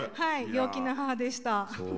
陽気な母でした。